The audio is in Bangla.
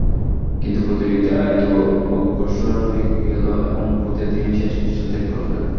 কিন্তু প্রতিযোগিতায় মৃত্যু অগ্রসর হয়ে গেল এবং পথেই তিনি শেষ নিঃশ্বাস ত্যাগ করলেন।